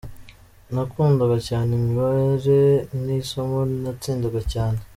Nakundaga cyane imibare, ni isomo natsindaga cyane.